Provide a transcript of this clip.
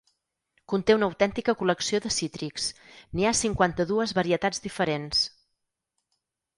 Conté una autèntica col·lecció de cítrics: n’hi ha cinquanta-dues varietats diferents.